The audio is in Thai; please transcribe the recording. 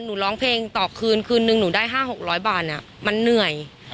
ร้องเพลงต่อคืนคืนนึงหนูได้๕๖๐๐บาทมันเหนื่อย